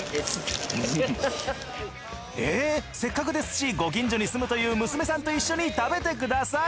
えぇせっかくですしご近所に住むという娘さんと一緒に食べてください。